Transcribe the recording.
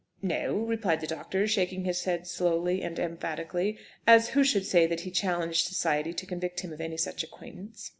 "No," replied the doctor, shaking his head slowly and emphatically, as who should say that he challenged society to convict him of any such acquaintance.